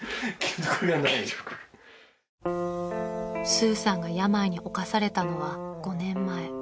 ［スーさんが病に侵されたのは５年前］